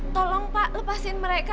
tolong pak lepasin mereka